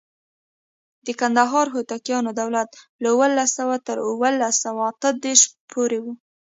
د کندهار هوتکیانو دولت له اوولس سوه تر اوولس سوه اته دیرش پورې و.